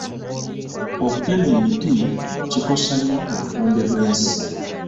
Okutema emiti kikosa nnyo obutonde bw'ensi.